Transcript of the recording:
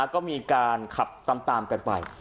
ก็มีการขับตามกันไป